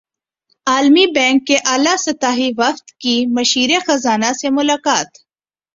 عالمی بینک کے اعلی سطحی وفد کی مشیر خزانہ سے ملاقات